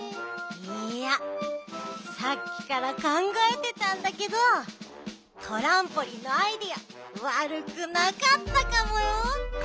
いいやさっきからかんがえてたんだけどトランポリンのアイデアわるくなかったかもよ！